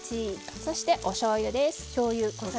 そしておしょうゆです。